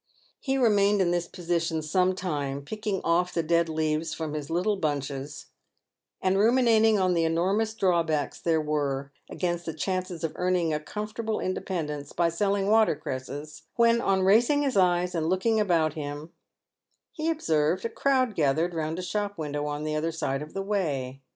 He remained in this position some time, picking off the dead leaves from his little bunches, and ruminating on the enormous drawbacks there were against the chances of earning a comfortable independence by selling water cresses, when, on raising his eyes and looking about him, he observed a crowd gathered round a shop window on the other side of the way.